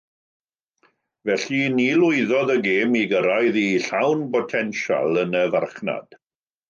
Felly ni lwyddodd y gêm i gyrraedd ei llawn botensial yn y farchnad.